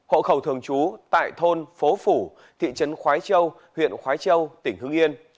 hộ khẩu thường trú tại thôn phố phủ thị trấn khói châu huyện khói châu tỉnh hưng yên